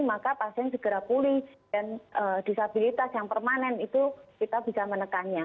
maka pasien segera pulih dan disabilitas yang permanen itu kita bisa menekannya